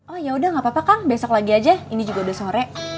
oh yaudah gapapa kang besok lagi aja ini juga udah sore